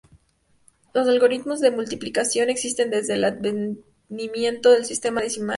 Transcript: Los algoritmos de multiplicación existen desde el advenimiento del sistema decimal.